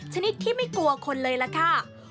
ชนิดที่ไม่กลัวคนเลยล่ะค่ะ